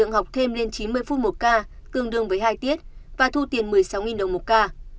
học thêm lên chín mươi phút một ca tương đương với hai tiết và thu tiền một mươi sáu đồng một ca